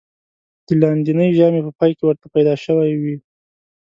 د لاندېنۍ ژامې په پای کې ورته پیدا شوی و.